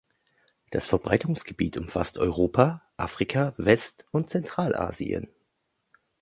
Das Verbreitungsgebiet umfasst Europa, Afrika, West- und Zentralasien.